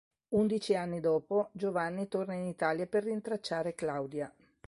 Undici anni dopo Giovanni torna in Italia per rintracciare Claudia.